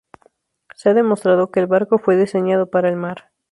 Se ha demostrado que el barco fue diseñado para el mar.